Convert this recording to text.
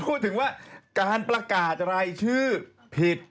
พูดถึงว่าการประกาศรายชื่อผิด